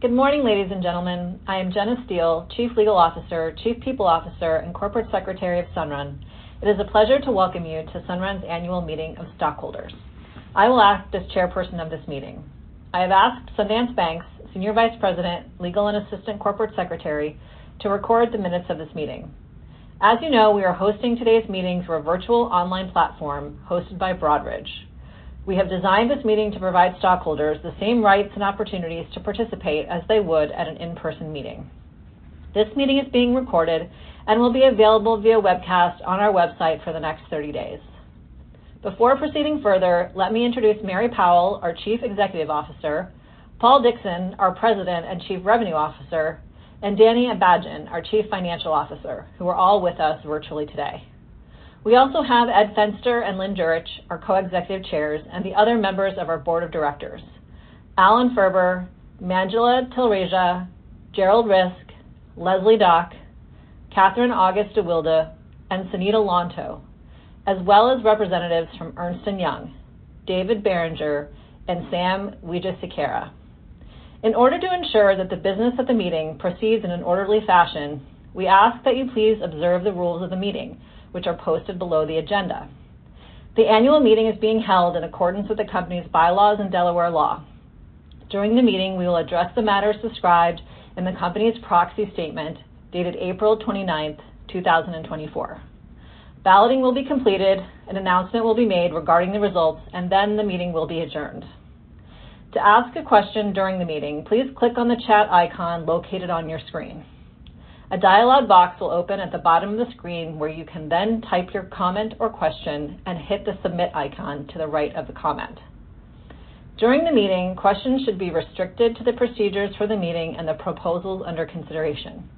Good morning, ladies and gentlemen. I am Jeanna Steele, Chief Legal Officer, Chief People Officer, and Corporate Secretary of Sunrun. It is a pleasure to welcome you to Sunrun's Annual Meeting of Stockholders. I will act as Chairperson of this meeting. I have asked Sundance Banks, Senior Vice President, Legal and Assistant Corporate Secretary, to record the minutes of this meeting. As you know, we are hosting today's meeting through a virtual online platform hosted by Broadridge. We have designed this meeting to provide stockholders the same rights and opportunities to participate as they would at an in-person meeting. This meeting is being recorded and will be available via webcast on our website for the next 30 days. Before proceeding further, let me introduce Mary Powell, our Chief Executive Officer, Paul Dickson, our President and Chief Revenue Officer, and Danny Abajian, our Chief Financial Officer, who are all with us virtually today. We also have Ed Fenster and Lynn Jurich, our Co-Executive Chairs, and the other members of our Board of Directors, Alan Ferber, Manjula Talreja, Gerald Risk, Leslie Dach, Katherine August-deWilde, and Sonita Lontoh, as well as representatives from Ernst & Young, David Barringer, and Sam Wijesekera. In order to ensure that the business of the meeting proceeds in an orderly fashion, we ask that you please observe the rules of the meeting, which are posted below the agenda. The annual meeting is being held in accordance with the company's bylaws and Delaware law. During the meeting, we will address the matters described in the company's proxy statement dated April 29, 2024. Balloting will be completed, an announcement will be made regarding the results, and then the meeting will be adjourned. To ask a question during the meeting, please click on the chat icon located on your screen. A dialog box will open at the bottom of the screen where you can then type your comment or question and hit the submit icon to the right of the comment. During the meeting, questions should be restricted to the procedures for the meeting and the proposals under consideration.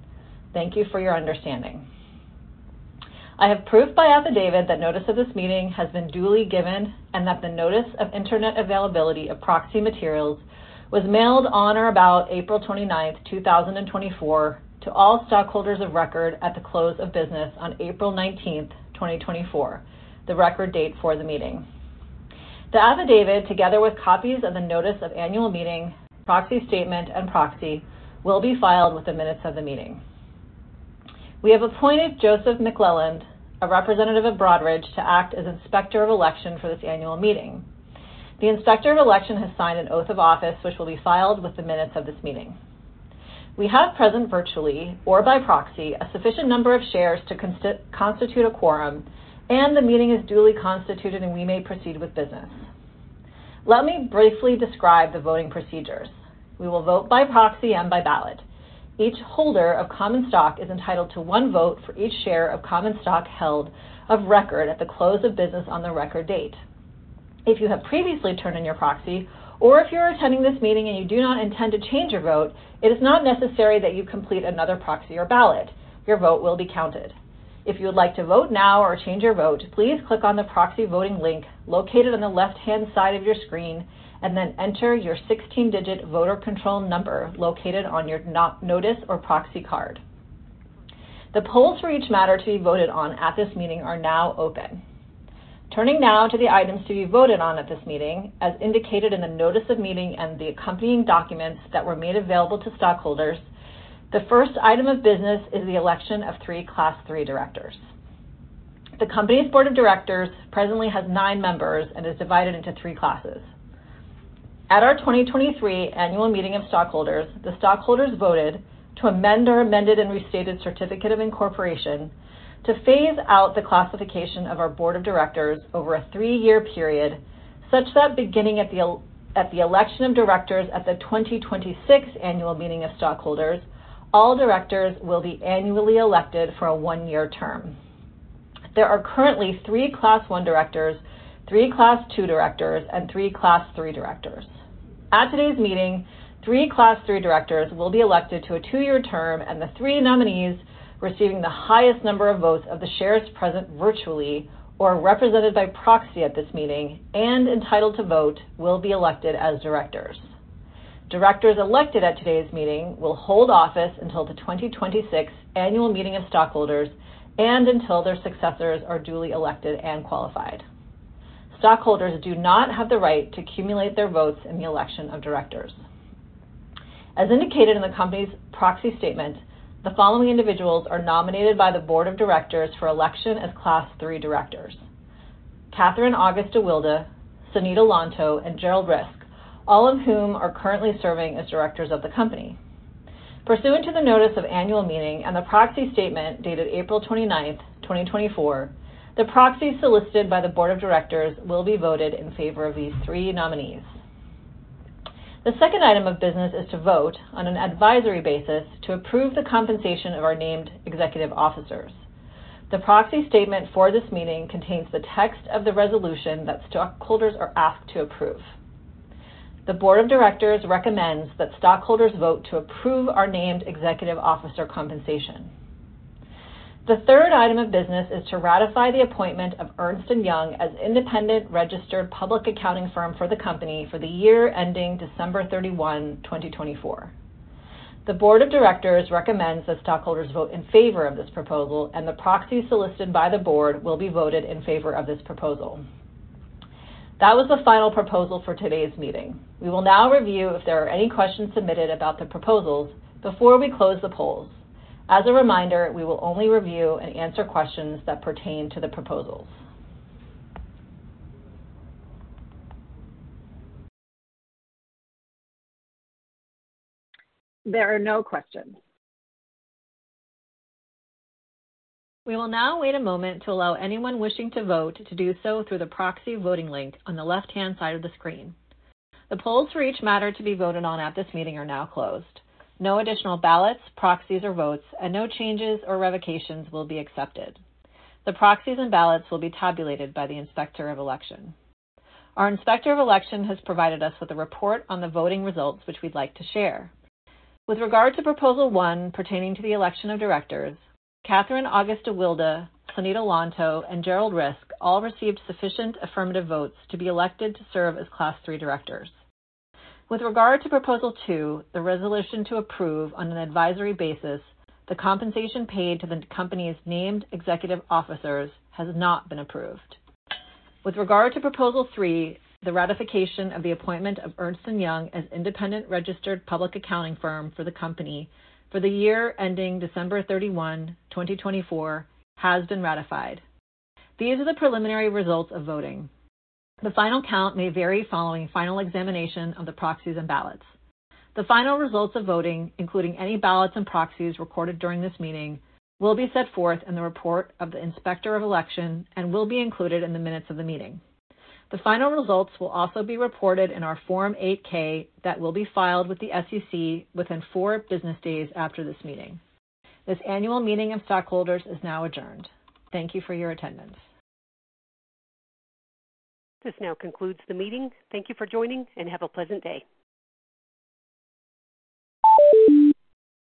Thank you for your understanding. I have proof by affidavit that notice of this meeting has been duly given and that the notice of internet availability of proxy materials was mailed on or about April 29, 2024, to all stockholders of record at the close of business on April 19, 2024, the record date for the meeting. The affidavit, together with copies of the notice of annual meeting, proxy statement, and proxy, will be filed with the minutes of the meeting. We have appointed Joseph MacLelland, a representative of Broadridge, to act as Inspector of Election for this annual meeting. The Inspector of Election has signed an oath of office, which will be filed with the minutes of this meeting. We have present virtually or by proxy a sufficient number of shares to constitute a quorum, and the meeting is duly constituted, and we may proceed with business. Let me briefly describe the voting procedures. We will vote by proxy and by ballot. Each holder of common stock is entitled to one vote for each share of common stock held of record at the close of business on the record date. If you have previously turned in your proxy, or if you're attending this meeting and you do not intend to change your vote, it is not necessary that you complete another proxy or ballot. Your vote will be counted. If you would like to vote now or change your vote, please click on the proxy voting link located on the left-hand side of your screen and then enter your 16-digit voter control number located on your notice or proxy card. The polls for each matter to be voted on at this meeting are now open. Turning now to the items to be voted on at this meeting, as indicated in the notice of meeting and the accompanying documents that were made available to stockholders, the first item of business is the election of three Class III directors. The company's board of directors presently has nine members and is divided into three classes. At our 2023 annual meeting of stockholders, the stockholders voted to amend our Amended and Restated Certificate of Incorporation to phase out the classification of our board of directors over a three-year period, such that beginning at the election of directors at the 2026 annual meeting of stockholders, all directors will be annually elected for a one-year term. There are currently three Class I directors, three Class II directors, and three Class III directors. At today's meeting, three Class III directors will be elected to a two-year term, and the three nominees receiving the highest number of votes of the shares present virtually or represented by proxy at this meeting and entitled to vote will be elected as directors. Directors elected at today's meeting will hold office until the 2026 Annual Meeting of Stockholders and until their successors are duly elected and qualified. Stockholders do not have the right to accumulate their votes in the election of directors. As indicated in the company's proxy statement, the following individuals are nominated by the board of directors for election as Class III directors, Katherine August-deWilde, Sonita Lontoh, and Gerald Risk, all of whom are currently serving as directors of the company. Pursuant to the notice of annual meeting and the proxy statement dated April 29, 2024, the proxies solicited by the board of directors will be voted in favor of these three nominees. The second item of business is to vote on an advisory basis to approve the compensation of our named executive officers. The proxy statement for this meeting contains the text of the resolution that stockholders are asked to approve. The board of directors recommends that stockholders vote to approve our named executive officer compensation. The third item of business is to ratify the appointment of Ernst & Young as independent registered public accounting firm for the company for the year ending December 31, 2024. The board of directors recommends that stockholders vote in favor of this proposal, and the proxies solicited by the board will be voted in favor of this proposal. That was the final proposal for today's meeting. We will now review if there are any questions submitted about the proposals before we close the polls. As a reminder, we will only review and answer questions that pertain to the proposals. There are no questions. We will now wait a moment to allow anyone wishing to vote to do so through the proxy voting link on the left-hand side of the screen. The polls for each matter to be voted on at this meeting are now closed. No additional ballots, proxies, or votes, and no changes or revocations will be accepted. The proxies and ballots will be tabulated by the Inspector of Election. Our Inspector of Election has provided us with a report on the voting results, which we'd like to share. With regard to proposal one pertaining to the election of directors, Katherine August-deWilde, Sonita Lontoh, and Gerald Risk all received sufficient affirmative votes to be elected to serve as Class III directors. With regard to proposal two, the resolution to approve on an advisory basis, the compensation paid to the company's named executive officers has not been approved. With regard to proposal three, the ratification of the appointment of Ernst & Young as independent registered public accounting firm for the company for the year ending December 31, 2024, has been ratified. These are the preliminary results of voting. The final count may vary following final examination of the proxies and ballots. The final results of voting, including any ballots and proxies recorded during this meeting, will be set forth in the report of the Inspector of Election and will be included in the minutes of the meeting. The final results will also be reported in our Form 8-K that will be filed with the SEC within four business days after this meeting. This annual meeting of stockholders is now adjourned. Thank you for your attendance. This now concludes the meeting. Thank you for joining, and have a pleasant day.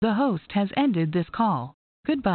The host has ended this call. Goodbye.